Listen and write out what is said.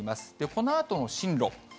このあとの進路。